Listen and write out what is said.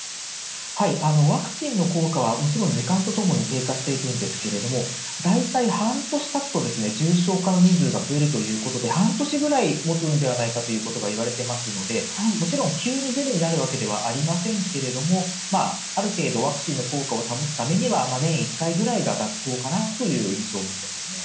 ワクチンの効果は、もちろん時間とともに低下していくんですけれども、大体半年たつと、重症化のリスクが増えるということで、半年ぐらいもつんではないかということがいわれていますので、もちろん、急にゼロになるわけではありませんけれども、ある程度、ワクチンの効果を保つためには、年１回ぐらいが妥当かなという印象を持ってますね。